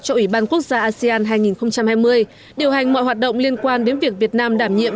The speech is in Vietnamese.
cho ủy ban quốc gia asean hai nghìn hai mươi điều hành mọi hoạt động liên quan đến việc việt nam đảm nhiệm